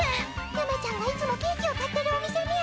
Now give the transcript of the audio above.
ゆめちゃんがいつもケーキを買ってるお店みゃ。